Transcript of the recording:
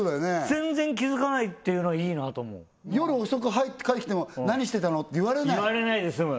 全然気付かないっていうのはいいなと思う夜遅く帰ってきても「何してたの？」って言われない言われないで済む